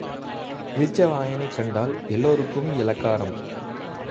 இளிச்ச வாயனைக் கண்டால் எல்லாருக்கும் இளக்காரம்.